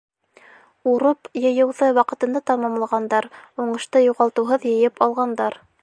Урып йыйыуҙы ваҡытында тамамлағандар, уңышты юғалтыуһыҙ йыйып алғандар.